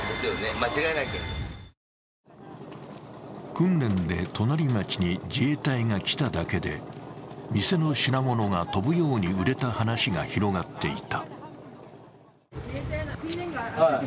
訓練で隣町に自衛隊が来ただけで店の品物が飛ぶように売れた話が広がっていた。